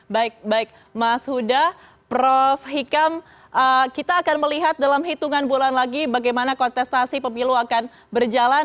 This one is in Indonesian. baik baik mas huda prof hikam kita akan melihat dalam hitungan bulan lagi bagaimana kontestasi pemilu akan berjalan